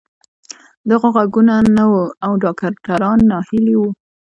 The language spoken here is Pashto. د هغه غوږونه نه وو او ډاکتران ناهيلي وو.